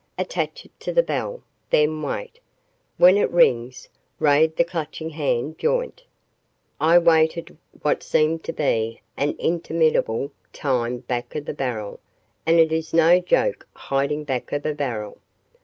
Attach it to the bell; then wait. When it rings, raid the Clutching Hand joint." I waited what seemed to be an interminable time back of the barrel and it is no joke hiding back of a barrel.